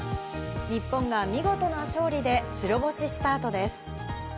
日本が見事な勝利で白星スタートです。